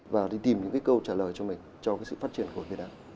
và đi tìm những câu trả lời cho mình cho sự phát triển của việt nam